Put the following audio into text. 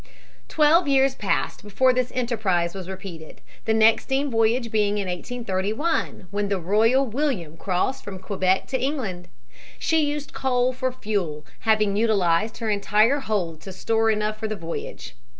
Twelve years passed before this enterprise was repeated, the next steam voyage being in 1831, when the Royal William crossed from Quebec to England. She used coal for fuel, having utilized her entire hold to store enough for the voyage.